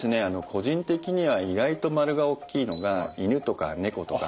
個人的には意外と丸がおっきいのが「犬」とか「猫」とか。